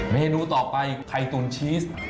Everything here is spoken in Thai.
เมนูต่อไปไทยตูนชีส